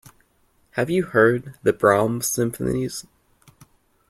Have you heard the Brahms symphonies?